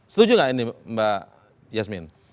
setuju nggak ini mbak yasmin